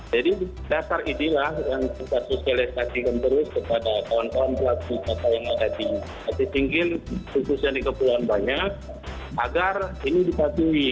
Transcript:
jadi dasar itulah yang kita sosialisasi terus kepada kawan kawan di wisata yang ada di aceh singkil khususnya di kepulauan banyak agar ini dipatuhi